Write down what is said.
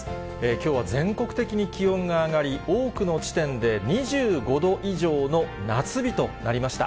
きょうは全国的に気温が上がり、多くの地点で２５度以上の夏日となりました。